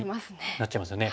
なっちゃいますよね。